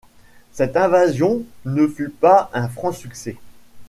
Cette invasion ne fut pas un franc succès.